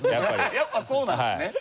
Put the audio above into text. やっぱそうなんですね。